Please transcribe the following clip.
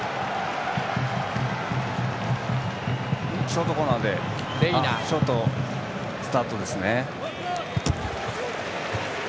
ショートコーナーでショートスタートですね。